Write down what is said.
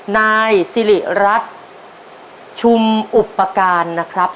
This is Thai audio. นายศิริรัชชุมอุปการนะครับ